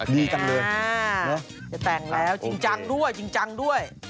ดีจังเลย